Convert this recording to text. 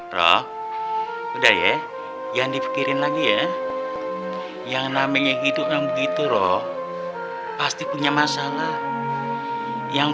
roh udah yeh yang dipikirin lagi ya yang namanya hidup yang begitu roh pasti punya masalah yang